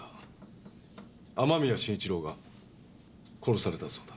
雨宮慎一郎が殺されたそうだ。